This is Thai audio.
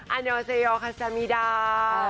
อันโยเซโยคันทรัมมีด้า